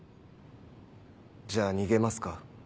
じゃあ逃げますか？